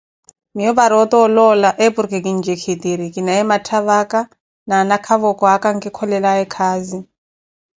miyo paara ota oloola eporki kintjikiri kinaye matthavaka na anakavokwaka ankikolelaye khazi